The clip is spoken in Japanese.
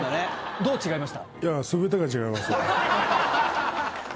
どう違いました？